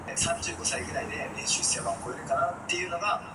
The band would embark on one of their biggest tours at the time.